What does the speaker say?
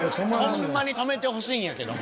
ほんまに止めてほしいんやけど。